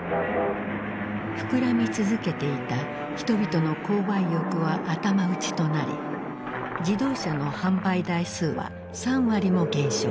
膨らみ続けていた人々の購買欲は頭打ちとなり自動車の販売台数は３割も減少。